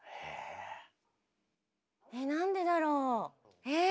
えっなんでだろう。